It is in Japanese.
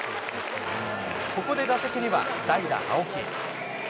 ここで打席には、代打、青木。